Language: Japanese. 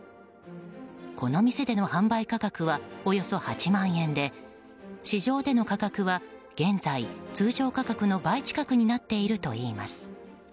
この店での販売価格はおよそ８万円で市場での価格は現在、通常価格の倍近くになっているといいます。